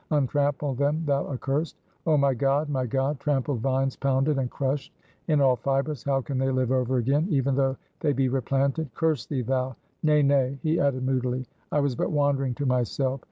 untrample them, thou accursed! Oh my God, my God, trampled vines pounded and crushed in all fibers, how can they live over again, even though they be replanted! Curse thee, thou! Nay, nay," he added moodily "I was but wandering to myself."